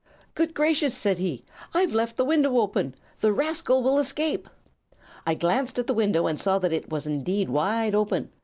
"'Good gracious!' said he, 'I've left the window open. The rascal will escape!' "I glanced at the window and saw that it was indeed wide open.